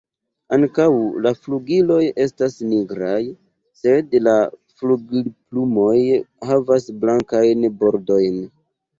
Ankaŭ la flugiloj estas nigraj, sed la flugilplumoj havas blankajn bordojn.